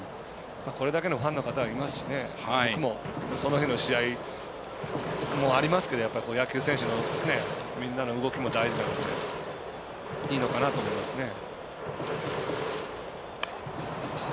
これだけのファンの方がいますしその日の試合もありますけどやっぱり野球選手のみんなの動きも大事なのでいいのかなと思いますね。